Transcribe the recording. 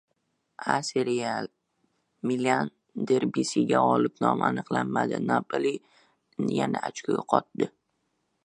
A Seriya. Milan derbisida g‘olib nomi aniqlanmadi, “Napoli” yana ochko yo‘qotdi